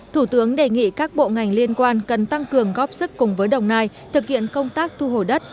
thủ tướng đề nghị các bộ ngành liên quan cần tăng cường góp sức cùng với đồng nai thực hiện công tác thu hồi đất